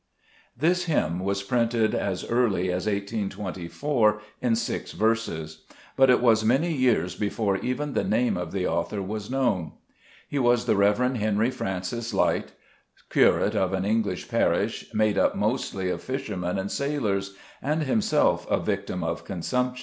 This hymn was printed as early as 1S24, in six verses ; but it was many years before even the name of the author was known. He was the Rev. Henry Francis Lyte, curate of an English parish made up mostly of fishermen and sailors, and himself a victim of consumption.